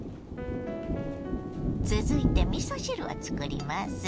⁉続いてみそ汁をつくります。